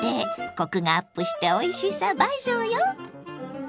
コクがアップしておいしさ倍増よ！